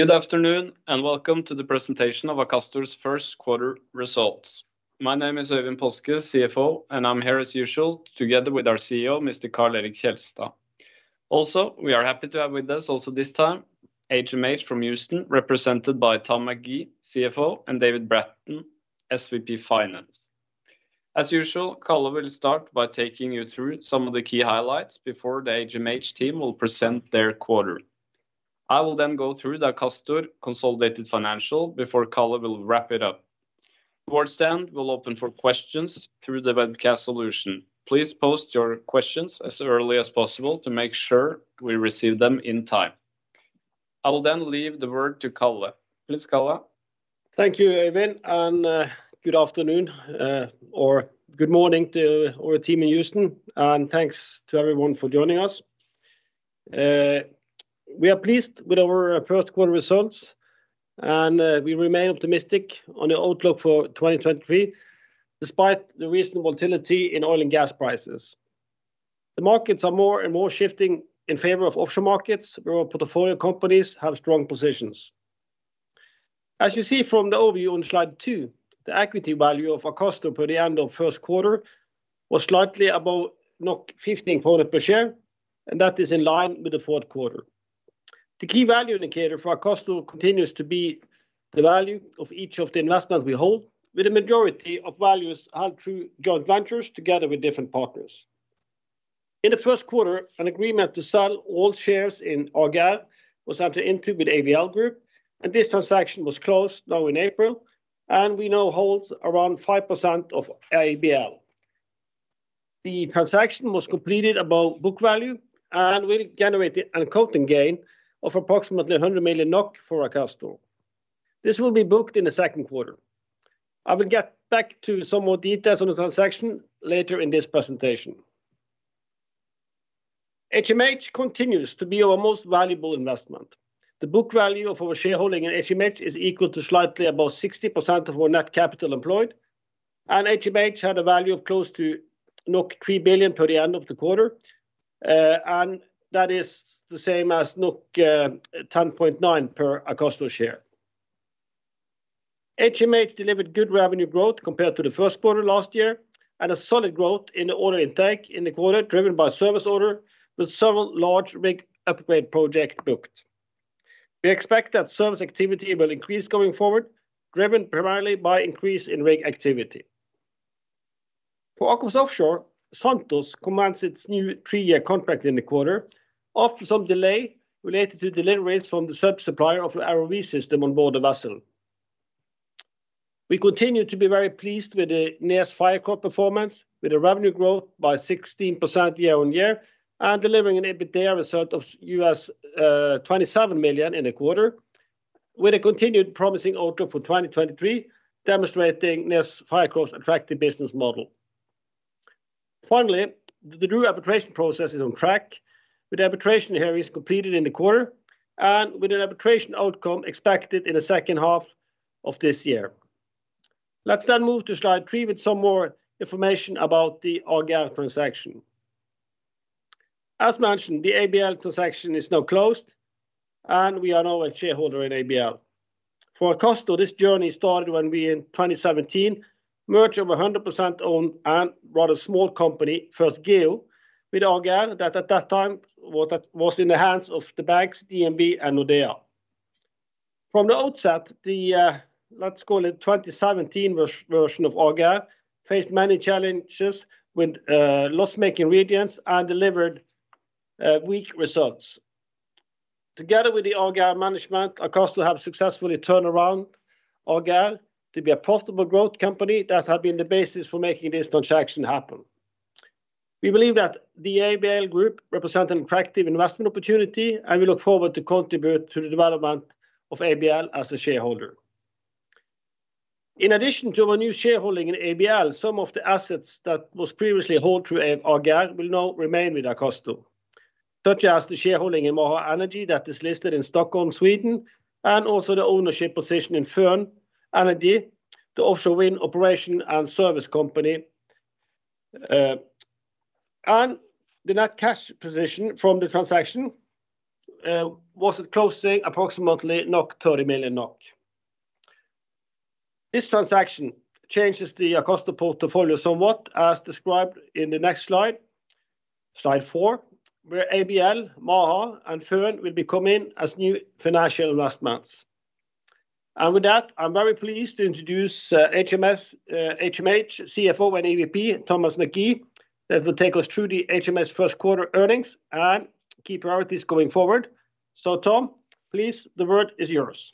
Good afternoon, welcome to the presentation of Akastor's first quarter results. My name is Øyvind Paaske, CFO, and I'm here as usual together with our CEO, Mr. Karl Erik Kjelstad. We are happy to have with us also this time HMH from Houston, represented by Tom McGee, CFO, and David Bratton, SVP Finance. As usual, Karl will start by taking you through some of the key highlights before the HMH team will present their quarter. I will go through the Akastor consolidated financial before Karl will wrap it up. Towards the end, we'll open for questions through the webcast solution. Please post your questions as early as possible to make sure we receive them in time. I will leave the word to Karl. Please, Karl. Thank you, Øyvind, good afternoon, or good morning to our team in Houston, and thanks to everyone for joining us. We are pleased with our first quarter results, and we remain optimistic on the outlook for 2023 despite the recent volatility in oil and gas prices. The markets are more and more shifting in favor of offshore markets, where our portfolio companies have strong positions. As you see from the overview on slide two, the equity value of Akastor per the end of first quarter was slightly above 15 per share, and that is in line with the fourth quarter. The key value indicator for Akastor continues to be the value of each of the investments we hold, with the majority of values held through joint ventures together with different partners. In the first quarter, an agreement to sell all shares in AGR was entered into with ABL Group. This transaction was closed now in April, and we now hold around 5% of ABL. The transaction was completed above book value and will generate an accounting gain of approximately 100 million NOK for Akastor. This will be booked in the second quarter. I will get back to some more details on the transaction later in this presentation. HMH continues to be our most valuable investment. The book value of our shareholding in HMH is equal to slightly above 60% of our net capital employed. HMH had a value of close to 3 billion per the end of the quarter, and that is the same as 10.9 per Akastor share. HMH delivered good revenue growth compared to the first quarter last year and a solid growth in the order intake in the quarter driven by service order with several large rig upgrade project booked. We expect that service activity will increase going forward, driven primarily by increase in rig activity. For AKOFS Offshore, Santos commenced its new three-year contract in the quarter after some delay related to deliveries from the sub-supplier of the ROV system on board the vessel. We continue to be very pleased with the NES Fircroft performance, with a revenue growth by 16% year-on-year and delivering an EBITDA result of $27 million in the quarter, with a continued promising outlook for 2023 demonstrating NES Fircroft's attractive business model. Finally, the DRU arbitration process is on track with arbitration hearings completed in the quarter and with an arbitration outcome expected in the second half of this year. Let's move to slide three with some more information about the AGR transaction. As mentioned, the ABL transaction is now closed, and we are now a shareholder in ABL. For Akastor, this journey started when we in 2017 merged our 100% owned and rather small company, First Geo, with AGR that at that time was in the hands of the banks DNB and Nordea. From the outset, the, let's call it 2017 version of AGR faced many challenges with loss-making regions and delivered weak results. Together with the AGR management, Akastor have successfully turned around AGR to be a profitable growth company that have been the basis for making this transaction happen. We believe that the ABL Group represent an attractive investment opportunity. We look forward to contribute to the development of ABL as a shareholder. In addition to our new shareholding in ABL, some of the assets that was previously held through AGR will now remain with Akastor, such as the shareholding in Maha Energy that is listed in Stockholm, Sweden, and also the ownership position in Føn Energy, the offshore wind operation and service company. The net cash position from the transaction was at closing approximately 30 million NOK. This transaction changes the Akastor portfolio somewhat, as described in the next slide four, where ABL, Maha and Føn will be coming as new financial investments. With that, I'm very pleased to introduce HMH CFO and EVP, Thomas McGee, that will take us through the HMH first quarter earnings and key priorities going forward. Tom, please, the word is yours.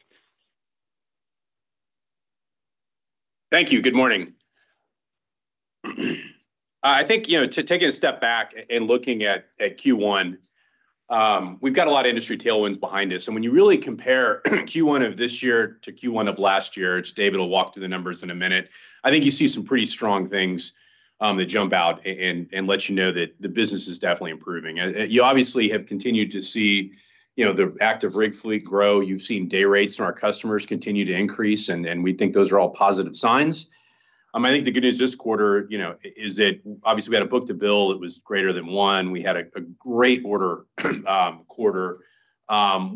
Thank you. Good morning. I think, you know, to taking a step back and looking at Q1, we've got a lot of industry tailwinds behind us. When you really compare Q1 of this year to Q1 of last year, it's David will walk through the numbers in a minute. I think you see some pretty strong things that jump out and let you know that the business is definitely improving. You obviously have continued to see, you know, the active rig fleet grow. You've seen day rates from our customers continue to increase. We think those are all positive signs. I think the good news this quarter, you know, is that obviously we had a book-to-bill that was greater than one. We had a great order quarter.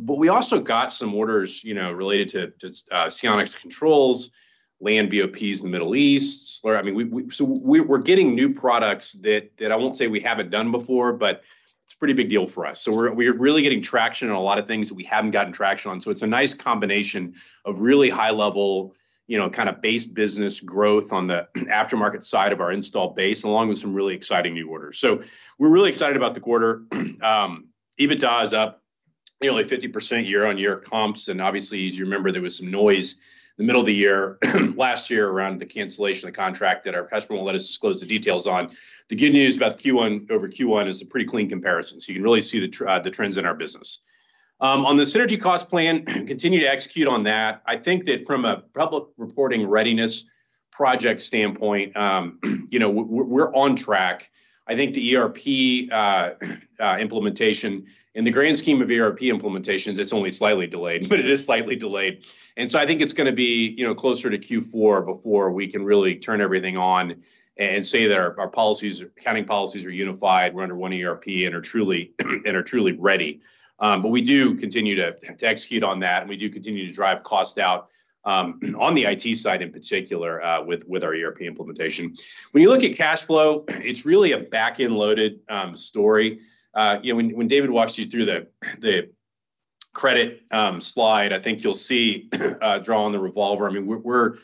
We also got some orders, you know, related to SeaONYX controls, land BOPs in the Middle East, or I mean, we're getting new products that I won't say we haven't done before, but it's a pretty big deal for us. We're really getting traction on a lot of things that we haven't gotten traction on. It's a nice combination of really high level, you know, kind of base business growth on the aftermarket side of our installed base, along with some really exciting new orders. We're really excited about the quarter. EBITDA is up nearly 50% year-on-year comps, and obviously, as you remember, there was some noise in the middle of the year, last year around the cancellation of the contract that our customer won't let us disclose the details on. The good news about Q1 over Q1 is a pretty clean comparison, so you can really see the trends in our business. On the synergy cost plan, continue to execute on that. I think that from a public reporting readiness project standpoint, you know, we're on track. I think the ERP implementation in the grand scheme of ERP implementations, it's only slightly delayed, but it is slightly delayed. I think it's gonna be, you know, closer to Q4 before we can really turn everything on and say that our policies, accounting policies are unified. We're under one ERP and are truly ready. We do continue to execute on that, and we do continue to drive cost out on the IT side in particular, with our ERP implementation. When you look at cash flow, it's really a back-end loaded story. You know, when David walks you through the credit slide, I think you'll see draw on the revolver. I mean, we're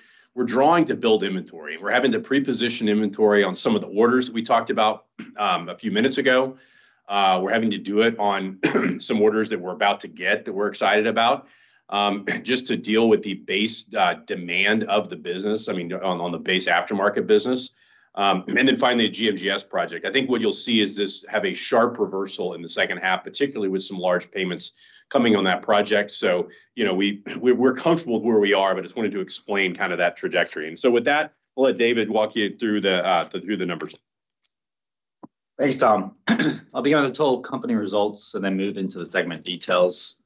drawing to build inventory, and we're having to pre-position inventory on some of the orders that we talked about a few minutes ago. We're having to do it on some orders that we're about to get that we're excited about just to deal with the base demand of the business, I mean, on the base aftermarket business. Then finally, the GMGS project. I think what you'll see is this have a sharp reversal in the second half, particularly with some large payments coming on that project. You know, we're comfortable with where we are, but just wanted to explain kind of that trajectory. With that, we'll let David walk you through the numbers. Thanks, Tom. I'll begin with the total company results and then move into the segment details.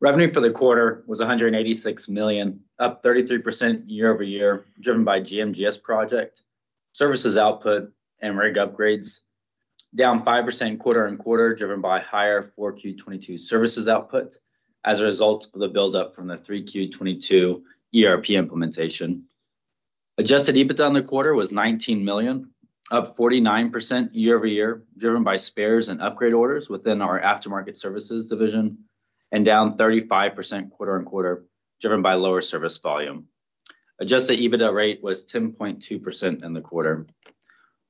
Revenue for the quarter was $186 million, up 33% year-over-year, driven by GMGS project, services output, and rig upgrades, down 5% quarter-over-quarter, driven by higher 4Q22 services output as a result of the buildup from the 3Q22 ERP implementation. Adjusted EBITDA in the quarter was $19 million, up 49% year-over-year, driven by spares and upgrade orders within our aftermarket services division, and down 35% quarter-over-quarter, driven by lower service volume. Adjusted EBITDA rate was 10.2% in the quarter.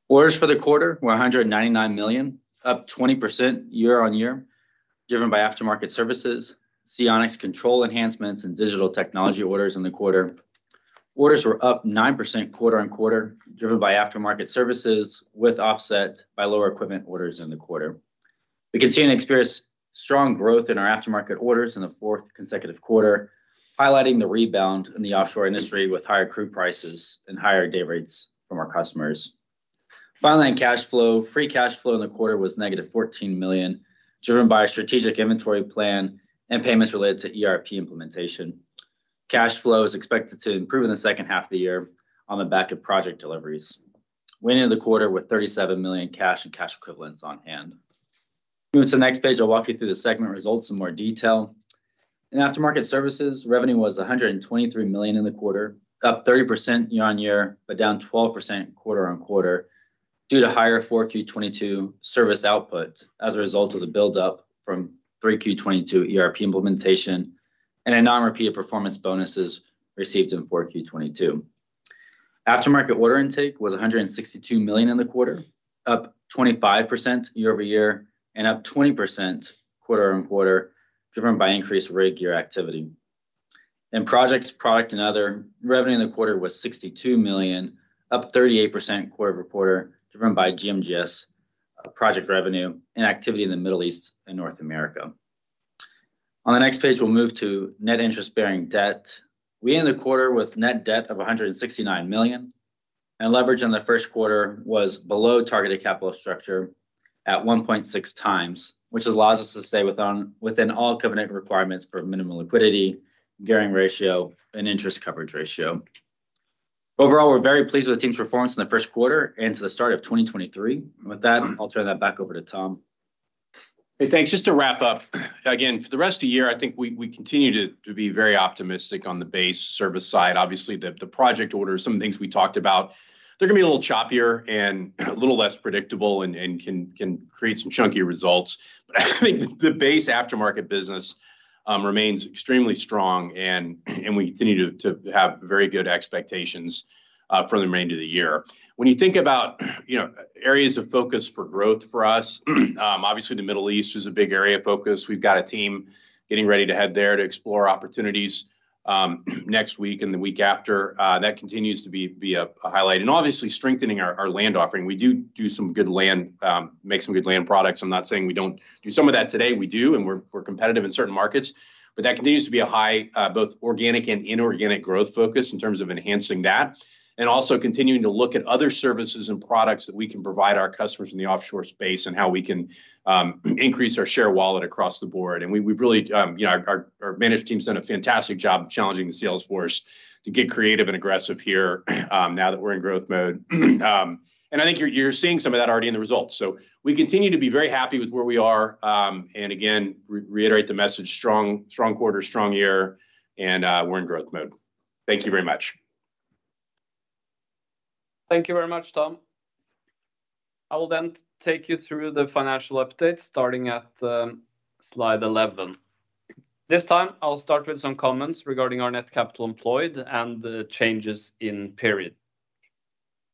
Orders for the quarter were $199 million, up 20% year-on-year, driven by aftermarket services, SeaONYX control enhancements, and digital technology orders in the quarter. Orders were up 9% quarter and quarter, driven by aftermarket services with offset by lower equipment orders in the quarter. We continue to experience strong growth in our aftermarket orders in the fourth consecutive quarter, highlighting the rebound in the offshore industry with higher crude prices and higher day rates from our customers. Finally, in cash flow, free cash flow in the quarter was negative 14 million, driven by a strategic inventory plan and payments related to ERP implementation. Cash flow is expected to improve in the second half of the year on the back of project deliveries, winning the quarter with 37 million cash and cash equivalents on hand. Moving to the next page, I'll walk you through the segment results in more detail. In aftermarket services, revenue was 123 million in the quarter, up 30% year-on-year, but down 12% quarter-on-quarter due to higher 4Q22 service output as a result of the buildup from 3Q22 ERP implementation and a non-repeated performance bonuses received in 4Q22. Aftermarket order intake was 162 million in the quarter, up 25% year-over-year and up 20% quarter-on-quarter, driven by increased rig year activity. In projects, product, and other, revenue in the quarter was 62 million, up 38% quarter-over-quarter, driven by GMGS project revenue and activity in the Middle East and North America. On the next page, we'll move to net interest-bearing debt. We end the quarter with net debt of 169 million, and leverage in the first quarter was below targeted capital structure at 1.6 times, which allows us to stay within all covenant requirements for minimum liquidity, gearing ratio, and interest coverage ratio. Overall, we're very pleased with the team's performance in the first quarter and to the start of 2023. With that, I'll turn that back over to Tom. Hey, thanks. Just to wrap up, again, for the rest of the year, I think we continue to be very optimistic on the base service side. Obviously, the project orders, some of the things we talked about, they're gonna be a little choppier and a little less predictable and can create some chunkier results. I think the base aftermarket business remains extremely strong and we continue to have very good expectations for the remainder of the year. When you think about areas of focus for growth for us, obviously, the Middle East is a big area of focus. We've got a team getting ready to head there to explore opportunities next week and the week after. That continues to be a highlight. Obviously strengthening our land offering. We do some good land, make some good land products. I'm not saying we don't do some of that today. We do, and we're competitive in certain markets. That continues to be a high, both organic and inorganic growth focus in terms of enhancing that. Also continuing to look at other services and products that we can provide our customers in the offshore space and how we can increase our share wallet across the board. We, we've really, you know, our, our managed team's done a fantastic job of challenging the sales force to get creative and aggressive here, now that we're in growth mode. I think you're seeing some of that already in the results. we continue to be very happy with where we are, and again, reiterate the message, strong quarter, strong year, and, we're in growth mode. Thank you very much. Thank you very much, Tom. I will take you through the financial update starting at slide 11. This time, I'll start with some comments regarding our net capital employed and the changes in period.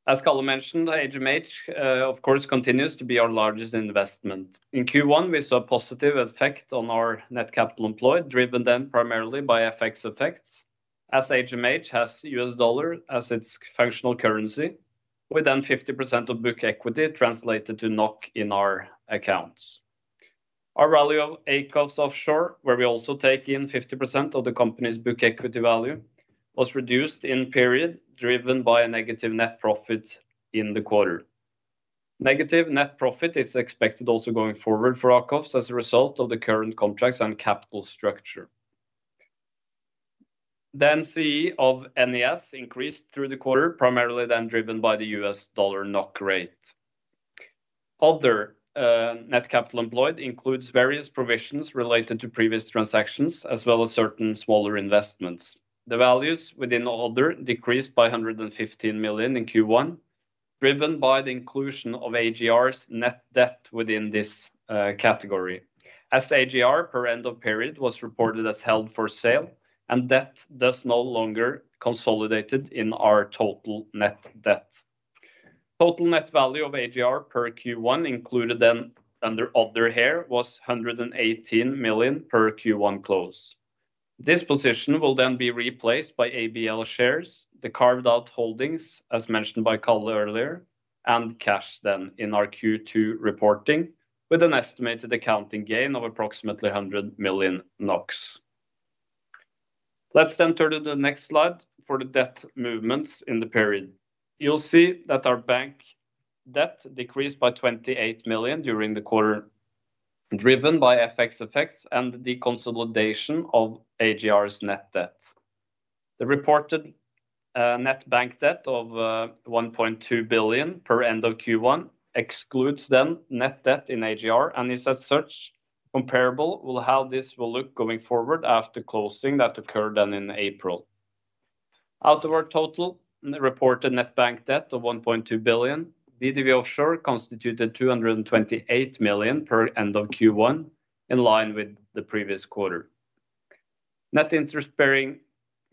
As Carl mentioned, the HMH, of course, continues to be our largest investment. In Q1, we saw positive effect on our net capital employed, driven primarily by FX effects. As HMH has U.S. dollar as its functional currency, within 50% of book equity translated to NOK in our accounts. Our rally of AKOFS Offshore, where we also take in 50% of the company's book equity value, was reduced in period driven by a negative net profit in the quarter. Negative net profit is expected also going forward for AKOFS as a result of the current contracts and capital structure. CE of NES increased through the quarter, primarily then driven by the U.S. dollar NOK rate. Other, net capital employed includes various provisions related to previous transactions, as well as certain smaller investments. The values within Other decreased by 115 million in Q1, driven by the inclusion of AGR's net debt within this category. As AGR per end of period was reported as held for sale and debt thus no longer consolidated in our total net debt. Total net value of AGR per Q1 included then under Other here was 118 million per Q1 close. This position will then be replaced by ABL shares, the carved-out holdings, as mentioned by Carl earlier, and cash then in our Q2 reporting, with an estimated accounting gain of approximately 100 million NOK. Let's turn to the next slide for the debt movements in the period. You'll see that our bank debt decreased by 28 million during the quarter, driven by FX effects and the consolidation of AGR's net debt. The reported net bank debt of 1.2 billion per end of Q1 excludes then net debt in AGR and is as such comparable with how this will look going forward after closing that occurred then in April. Out of our total reported net bank debt of 1.2 billion, DDW Offshore constituted 228 million per end of Q1, in line with the previous quarter. Net interest-bearing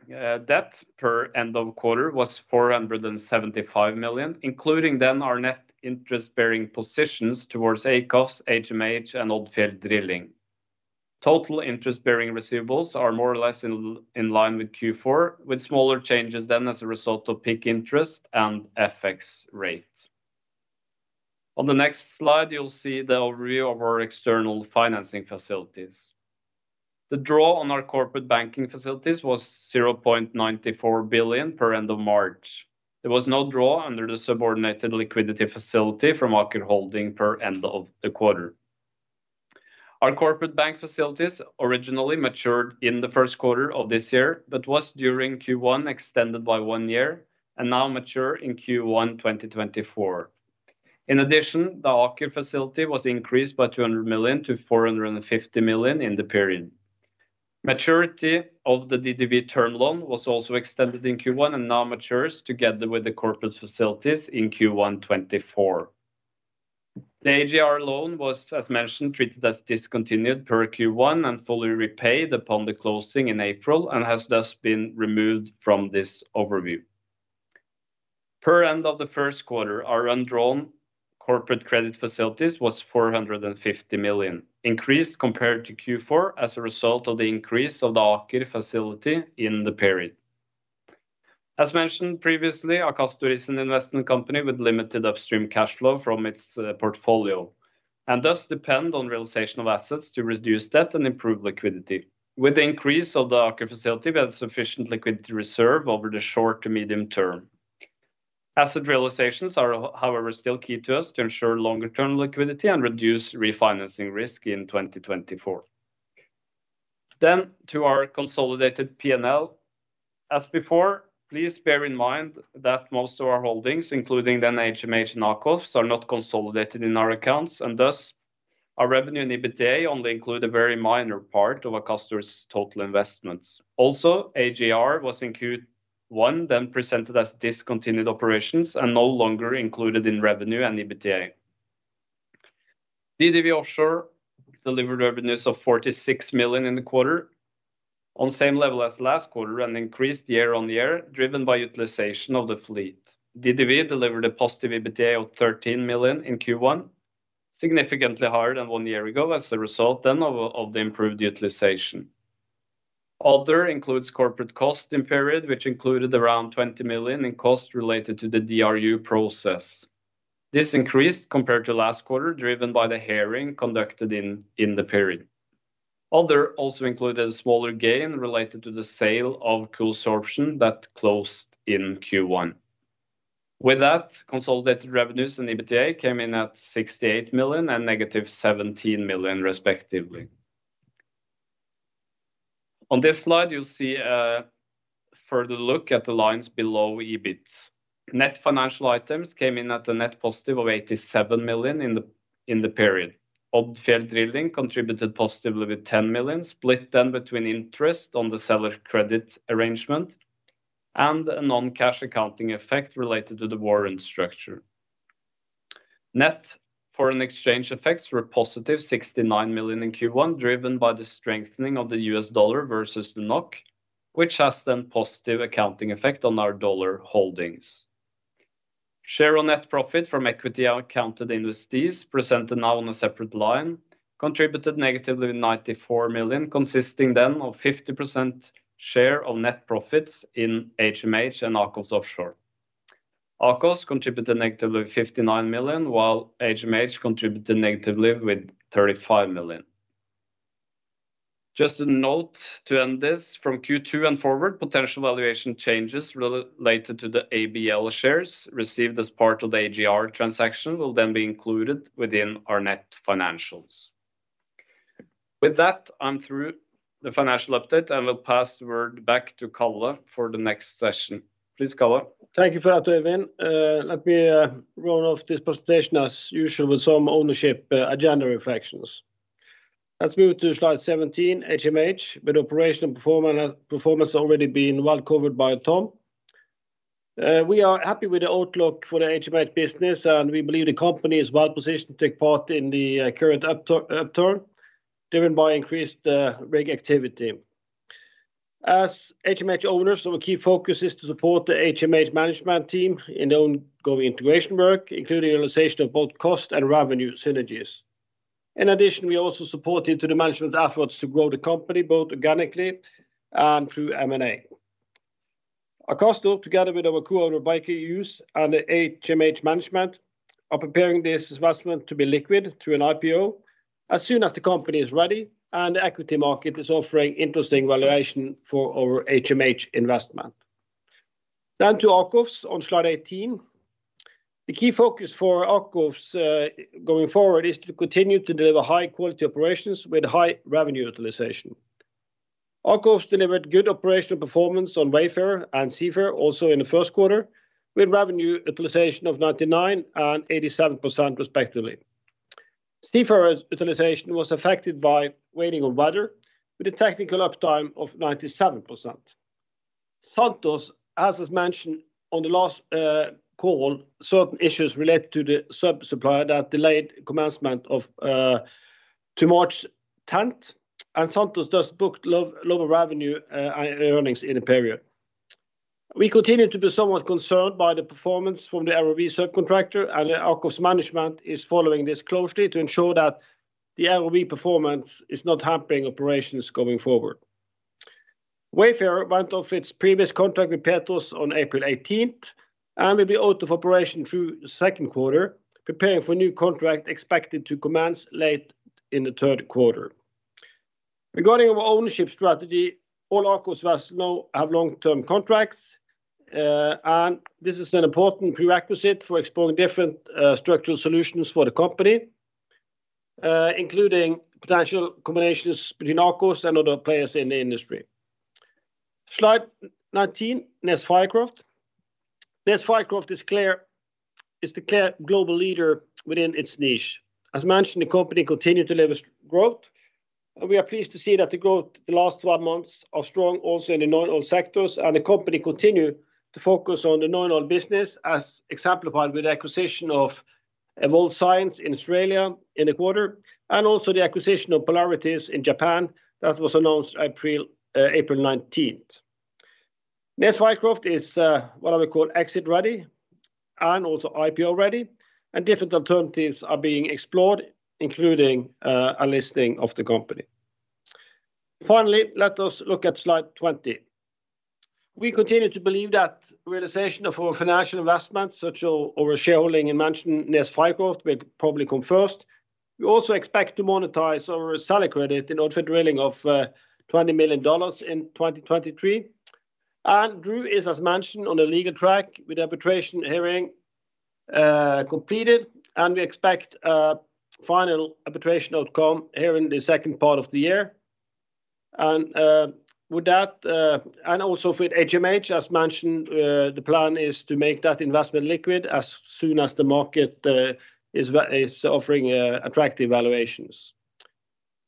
debt per end of quarter was 475 million, including then our net interest-bearing positions towards AKOFS, HMH, and Odfjell Drilling. Total interest-bearing receivables are more or less in line with Q4, with smaller changes than as a result of peak interest and FX rate. On the next slide, you'll see the overview of our external financing facilities. The draw on our corporate banking facilities was 0.94 billion per end of March. There was no draw under the subordinated liquidity facility from Aker Holding per end of the quarter. Our corporate bank facilities originally matured in the first quarter of this year, was during Q1 extended by one year and now mature in Q1, 2024. In addition, the Aker facility was increased by 200 million-450 million in the period. Maturity of the DDB term loan was also extended in Q1 and now matures together with the corporate's facilities in Q1 2024. The AGR loan was, as mentioned, treated as discontinued per Q1 and fully repaid upon the closing in April and has thus been removed from this overview. Per end of the first quarter, our undrawn corporate credit facilities was 450 million, increased compared to Q4 as a result of the increase of the Aker facility in the period. As mentioned previously, Akastor is an investment company with limited upstream cash flow from its portfolio and thus depend on realization of assets to reduce debt and improve liquidity. With the increase of the Aker facility, we have sufficient liquidity reserve over the short to medium term. Asset realizations are, however, still key to us to ensure longer term liquidity and reduce refinancing risk in 2024. To our consolidated P&L. As before, please bear in mind that most of our holdings, including then HMH and AKOFS, are not consolidated in our accounts and thus our revenue and EBITA only include a very minor part of Akastor's total investments. AGR was in Q1 then presented as discontinued operations and no longer included in revenue and EBITA. DDW Offshore delivered revenues of 46 million in the quarter on same level as last quarter and increased year-on-year, driven by utilization of the fleet. DDW delivered a positive EBITA of 13 million in Q1, significantly higher than one year ago as a result then of the improved utilization. Other includes corporate cost in period, which included around 20 million in cost related to the DRU process. This increased compared to last quarter, driven by the hearing conducted in the period. Other also included a smaller gain related to the sale of Cool Sorption that closed in Q1. Consolidated revenues and EBITA came in at 68 million and negative 17 million respectively. On this slide, you'll see a further look at the lines below EBIT. Net financial items came in at a net positive of 87 million in the period. Odfjell Drilling contributed positively with 10 million, split then between interest on the seller credit arrangement and a non-cash accounting effect related to the warrant structure. Net foreign exchange effects were a positive 69 million in Q1, driven by the strengthening of the U.S. dollar versus the NOK, which has then positive accounting effect on our dollar holdings. Share of net profit from equity accounted investees, presented now on a separate line, contributed negatively 94 million, consisting then of 50% share of net profits in HMH and AKOFS Offshore. AKOFS contributed negatively 59 million, while HMH contributed negatively with 35 million. Just a note to end this. From Q2 and forward, potential valuation changes re-related to the ABL shares received as part of the AGR transaction will then be included within our net financials. With that, I'm through the financial update, and will pass the word back to Karl for the next session. Please, Karl. Thank you for that, Øyvind. Let me run off this presentation as usual with some ownership agenda reflections. Let's move to slide 17, HMH. With operational performance already being well covered by Tom, we are happy with the outlook for the HMH business, and we believe the company is well positioned to take part in the current upturn, driven by increased rig activity. As HMH owners, our key focus is to support the HMH management team in ongoing integration work, including realization of both cost and revenue synergies. In addition, we also supported to the management's efforts to grow the company both organically and through M&A. Akastor still, together with our co-owner Baker Hughes and the HMH management, are preparing this investment to be liquid through an IPO as soon as the company is ready and the equity market is offering interesting valuation for our HMH investment. To Akastor on slide 18. The key focus for Akastor going forward is to continue to deliver high-quality operations with high revenue utilization. Akastor delivered good operational performance on Wayfarer and Seafarer also in the first quarter, with revenue utilization of 99% and 87% respectively. Seafarer's utilization was affected by waiting on weather with a technical uptime of 97%. Santos, as is mentioned on the last call, certain issues related to the sub supplier that delayed commencement to March 10th. Santos thus booked lower revenue and earnings in the period. We continue to be somewhat concerned by the performance from the ROV subcontractor. AKOFS management is following this closely to ensure that the ROV performance is not hampering operations going forward. Aker Wayfarer went off its previous contract with Santos on April 18th and will be out of operation through the second quarter, preparing for a new contract expected to commence late in the third quarter. Regarding our ownership strategy, all AKOFS vessels now have long-term contracts, and this is an important prerequisite for exploring different structural solutions for the company, including potential combinations between AKOFS and other players in the industry. Slide 19, NES Fircroft. NES Fircroft is the clear global leader within its niche. As mentioned, the company continued to deliver growth. We are pleased to see that the growth the last 12 months are strong also in the non-oil sectors, and the company continue to focus on the non-oil business, as exemplified with the acquisition of Evolve Science in Australia in the quarter, and also the acquisition of Polarities in Japan that was announced April 19th. NES Fircroft is what I would call exit-ready and also IPO-ready, and different alternatives are being explored, including a listing of the company. Finally, let us look at slide 20. We continue to believe that realization of our financial investments, such as our shareholding in mentioned NES Fircroft, will probably come first. We also expect to monetize our seller credit in Odfjell Drilling of $20 million in 2023. DRU is, as mentioned, on a legal track with arbitration hearing completed, and we expect a final arbitration outcome here in the second part of the year. With that, and also with HMH, as mentioned, the plan is to make that investment liquid as soon as the market is offering attractive valuations.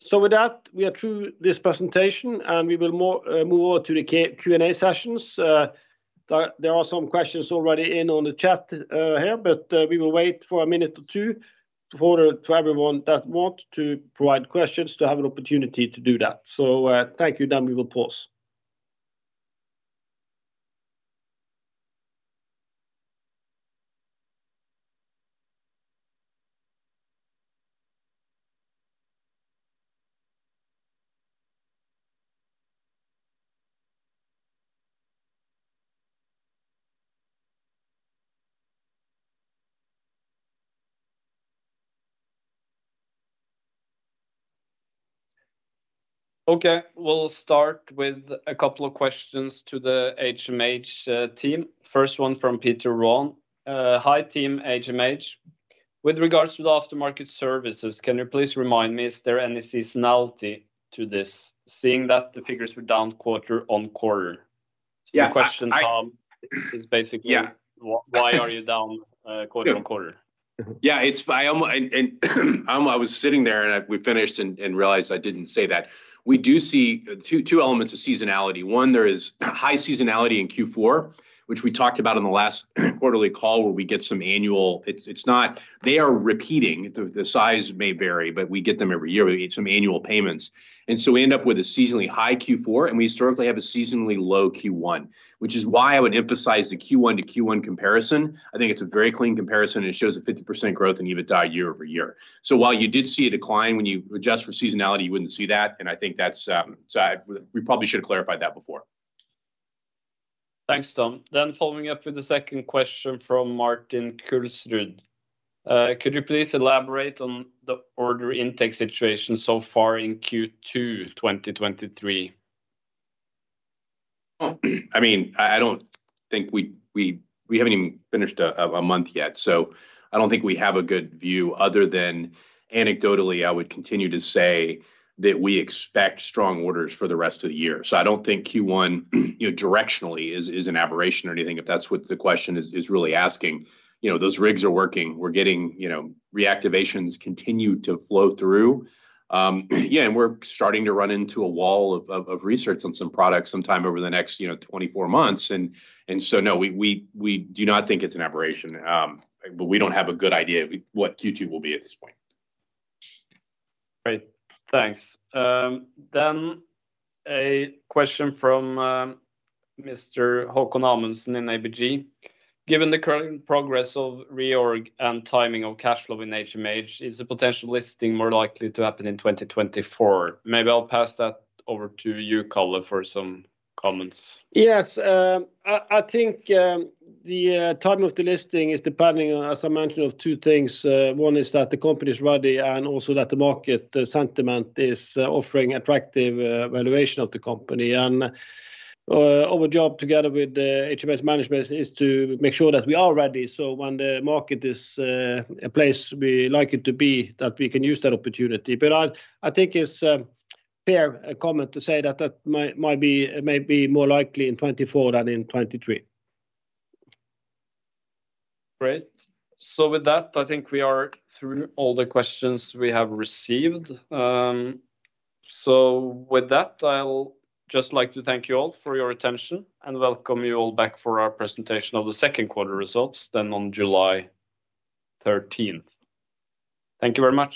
With that, we are through this presentation, and we will more move on to the Q&A sessions. There are some questions already in on the chat here, but we will wait for a minute or two for, to everyone that want to provide questions to have an opportunity to do that. Thank you. We will pause. Okay. We'll start with a couple of questions to the HMH team. First one from Peter Raan. "Hi, team HMH. With regards to the aftermarket services, can you please remind me, is there any seasonality to this, seeing that the figures were down quarter-on-quarter? Yeah. The question, Tom, is basically. Yeah. why are you down, quarter-on-quarter? Yeah. We finished and realized I didn't say that. We do see two elements of seasonality. One, there is high seasonality in Q4, which we talked about in the last quarterly call, where we get some annual. It's not. They are repeating. The size may vary, but we get them every year. We get some annual payments. We end up with a seasonally high Q4. We historically have a seasonally low Q1, which is why I would emphasize the Q1-Q1 comparison. I think it's a very clean comparison. It shows a 50% growth in EBITDA year-over-year. While you did see a decline, when you adjust for seasonality, you wouldn't see that. I think that's. We probably should have clarified that before. Thanks, Tom. Following up with the second question from Martin Kulstrin. Could you please elaborate on the order intake situation so far in Q2 2023? I mean, I don't think we haven't even finished a month yet, so I don't think we have a good view other than anecdotally I would continue to say that we expect strong orders for the rest of the year. I don't think Q1, you know, directionally is an aberration or anything, if that's what the question is really asking. You know, those rigs are working. We're getting. You know, reactivations continue to flow through. Yeah, we're starting to run into a wall of research on some products sometime over the next, you know, 24 months. No, we do not think it's an aberration. We don't have a good idea of what Q2 will be at this point. Great. Thanks. A question from, Mr. Håkon Amundsen in ABG. Given the current progress of reorg and timing of cash flow in HMH, is the potential listing more likely to happen in 2024? Maybe I'll pass that over to you, Karl, for some comments. Yes. I think the time of the listing is depending on, as I mentioned, of two things. One is that the company's ready and also that the market, the sentiment is offering attractive valuation of the company. Our job together with the HMH management is to make sure that we are ready, so when the market is a place we like it to be, that we can use that opportunity. I think it's fair comment to say that that might be more likely in 2024 than in 2023. Great. With that, I think we are through all the questions we have received. With that, I'll just like to thank you all for your attention and welcome you all back for our presentation of the second quarter results then on July 13th. Thank you very much.